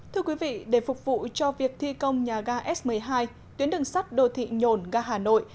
thưa quý vị để phục vụ cho việc thi công nhà ga s một mươi hai tuyến đường sắt đô thị nhồn ga hà nội